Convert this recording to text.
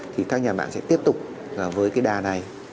thì các nhà mạng sẽ tiếp tục với cái đà này